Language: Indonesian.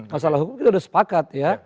masalah hukum kita sudah sepakat ya